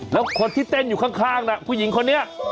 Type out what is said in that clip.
แล้วคนที่เต้นอยู่ข้างน่ะผู้หญิงคนนี้